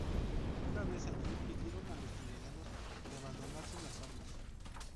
Una vez allí, pidieron a los ciudadanos que abandonasen las armas.